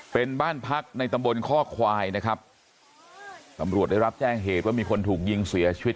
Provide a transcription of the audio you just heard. เป็นบ้านพักในตำบลข้อควายนะครับตำรวจได้รับแจ้งเหตุว่ามีคนถูกยิงเสียชีวิต